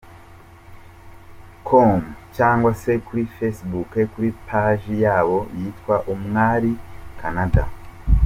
com cyangwa se kuri facebook kuri paji yabo yitwa Umwali Canada.